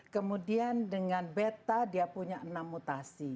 kemudian dengan beta dia punya enam mutasi